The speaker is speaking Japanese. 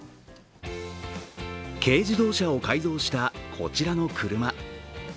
軽自動車を改造したこちらの車。